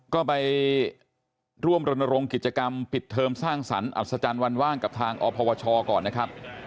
ก็ไปร่วมรณรงค์กิจกรรมปิดเทอมสร้างสรรคัศจรรย์วันว่างกับทางอพวชก่อนนะครับ